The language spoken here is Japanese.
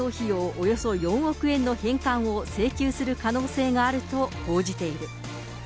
およそ４億円の返還を請求する可能性があると報じている。